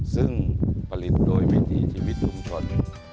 ซึ่งผลิตโดยวิถีชีวิตชุมชน